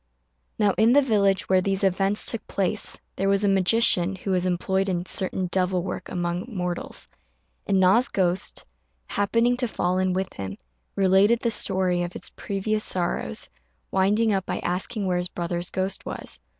Now in the village where these events took place there was a magician who was employed in certain devil work among mortals, and Na's ghost, happening to fall in with him, related the story of its previous sorrows, winding up by asking where his brother's ghost was.